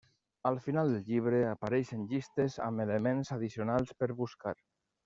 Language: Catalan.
Al final del llibre apareixen llistes amb elements addicionals per buscar.